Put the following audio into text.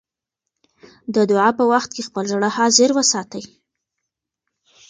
د دعا په وخت کې خپل زړه حاضر وساتئ.